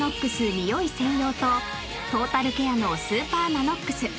ニオイ専用とトータルケアのスーパーＮＡＮＯＸ